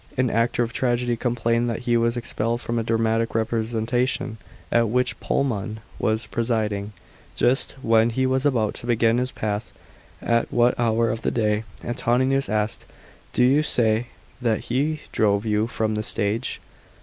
An actor of tragedy complained that he was expelled from a dramatic representation, at which Polemon was presiding, just when he was about to begin his pait. "At what hour of the day," Antoninus asktd, "do you say that he drove you from the stage